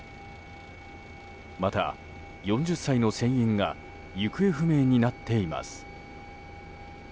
また４０歳の船員が行方不明になっています。